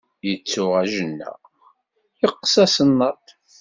Yettuɣ ajenna yeqqes asennaṭ.